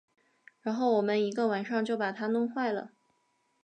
然后我们一个晚上就把它弄坏了